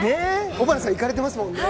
尾花さん行かれてますもんね。